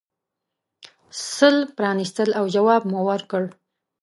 سل پرانیستل او جواب مو ورکړ.